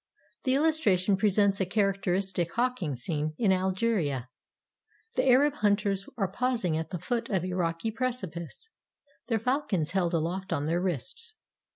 The illustration presents a characteristic hawking scene in Algeria. The Arab hunters are pausing at the foot of a rocky precipice, their falcons held aloft on their wrists.